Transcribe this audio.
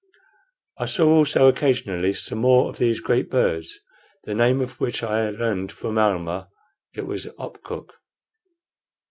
I saw also occasionally some more of those great birds, the name of which I learned from Almah; it was "opkuk."